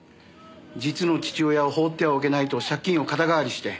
実の父親を放ってはおけないと借金を肩代わりして。